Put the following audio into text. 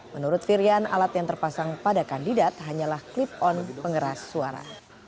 menurut firian alat yang terpasang pada kandidat hanyalah clip on pengeras suara